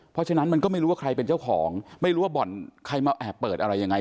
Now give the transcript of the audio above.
เพราะฉะนั้นมันก็ไม่รู้ว่าใครเป็นเจ้าของไม่รู้ว่าบ่อนใครมาแอบเปิดอะไรยังไง